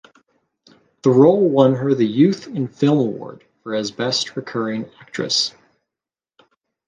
The role won her the Youth in Film Award for as best recurring actress.